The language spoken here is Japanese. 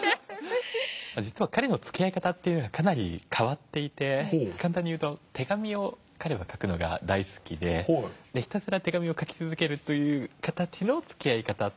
実は彼のつきあい方というのがかなり変わっていて簡単に言うと手紙を彼は書くのが大好きでひたすら手紙を書き続けるという形のつきあい方を。